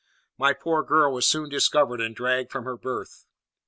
My poor girl was soon discovered and dragged from her berth.